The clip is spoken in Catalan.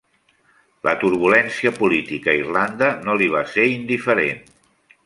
La turbulència política a Irlanda no li va ser indiferent.